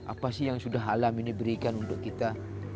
apa sih yang sudah alam ini berikan untuk kita